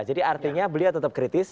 jadi artinya beliau tetap kritis